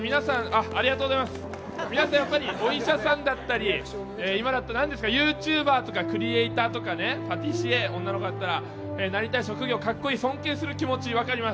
皆さん、お医者さんだったり今だとユーチューバーとかクリエーターとかパティシエ、なりたい職業格好いい尊敬する気持ち分かります。